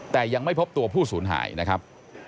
แต่ยังไม่พบตัวผู้สูญหายนะครับ